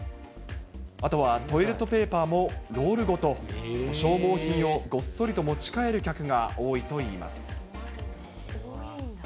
あとはトイレットペーパーもロールごと、消耗品をごっそりと持ち帰る客が多いといいます。